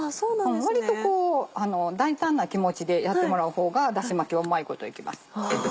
割とこう大胆な気持ちでやってもらう方がだし巻きはうまいこといきます。